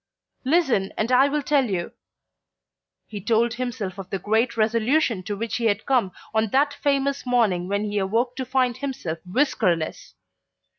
"Listen and I will tell you," He told himself of the great resolution to which he had come on that famous morning when he awoke to find himself whiskerless.